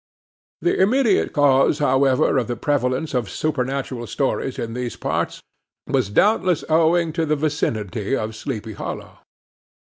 The immediate cause, however, of the prevalence of supernatural stories in these parts, was doubtless owing to the vicinity of Sleepy Hollow.